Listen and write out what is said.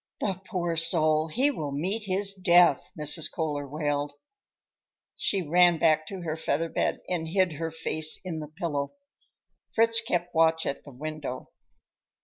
"The poor soul, he will meet his death!" Mrs. Kohler wailed. She ran back to her feather bed and hid her face in the pillow. Fritz kept watch at the window.